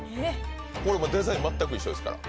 これもうデザイン全く一緒ですから。